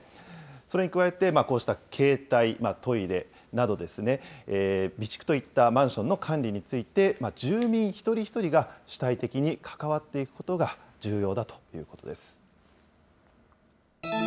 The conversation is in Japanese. それに加えて、こうした携帯トイレなど、備蓄といったマンションの管理について、住民一人一人が主体的に関わっていくことが重要だということです。